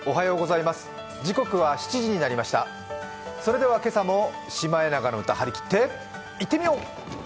それでは今朝も「シマエナガの歌」、張り切っていってみよう！